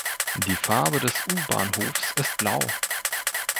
Die Farbe des U-Bahnhofs ist blau.